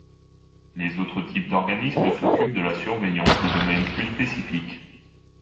Les autres types d’organismes s’occupent de la surveillance de domaines plus spécifiques.